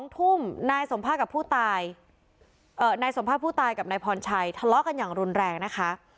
๒ทุ่มนายสมภาษณ์ผู้ตายกับนายพรชัยทะเลาะกันอย่างรุนแรงนะคะ